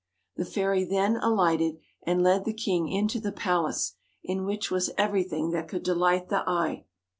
The fairy then alighted and led the king into the palace, in which was everything that could delight the eye.